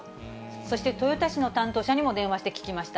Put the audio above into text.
そして、豊田市の担当者にも電話して聞きました。